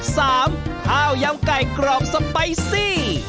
ข้าวยำไก่กรอบสไปซี่